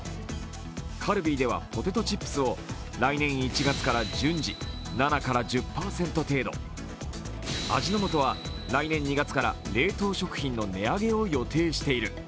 カルビーでは、ポテトチップスを来年１月から順次７１０％程度、味の素は来年２月から冷凍食品の値上げを予定している。